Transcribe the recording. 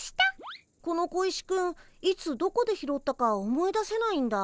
この小石くんいつどこで拾ったか思い出せないんだ。